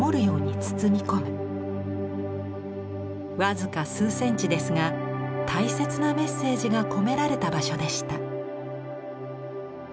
僅か数センチですが大切なメッセージが込められた場所でした。